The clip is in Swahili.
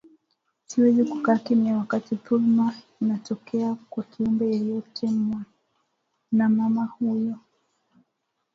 Siwezi kukaa kimya wakati dhulma inatokea kwa kiumbe yeyote mwanamama huyo